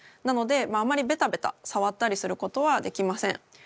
なのであまりベタベタさわったりすることはできません。